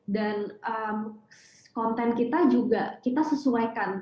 dan konten kita juga kita sesuaikan